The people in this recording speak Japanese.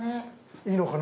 いいのかな